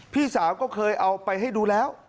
พี่สาวก็เคยเอาไปให้ดูแล้ว